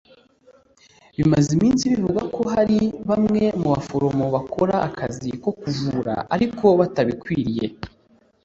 Bimaze iminsi bivugwa ko hari bamwe mu baforomu bakora akazi ko kuvura ariko batabikwiriye